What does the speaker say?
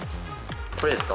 これですか？